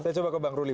saya coba ke bang ruli